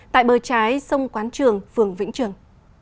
tại bờ trái sông quán trường phường vĩnh trường